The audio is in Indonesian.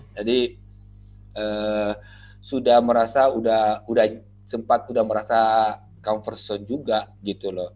jadi sudah merasa sudah sempat sudah merasa comfort zone juga gitu loh